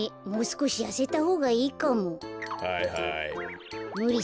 もうすこしやせたほうがいいかも。